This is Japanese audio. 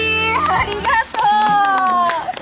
ありがとう！